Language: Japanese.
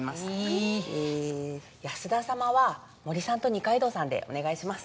いーっえー安田様は森さんと二階堂さんでお願いします